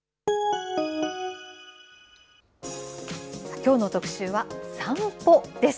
きょうの特集は、散歩です。